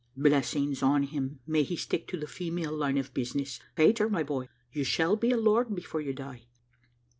"Blessings on him; may he stick to the female line of business! Peter, my boy, you shall be a lord before you die."